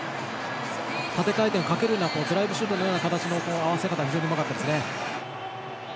縦回転をかけるようなドライブシュートのような形の合わせ方非常にうまかったですね。